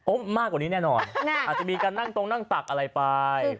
มากกว่านี้แน่นอนอาจจะมีการนั่งตรงนั่งตักอะไรไป